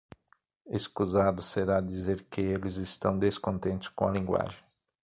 Escusado será dizer que eles estão descontentes com a linguagem.